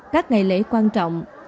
các ngày lễ quan trọng